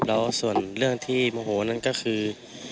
แล้วส่วนเรื่องที่โมโหนั่นก็คือ